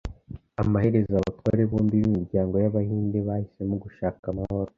Amaherezo, abatware bombi b'imiryango y'Abahinde bahisemo gushaka amahoro.